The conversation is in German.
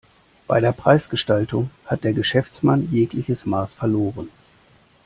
Bei der Preisgestaltung hat der Geschäftsmann jegliches Maß verloren.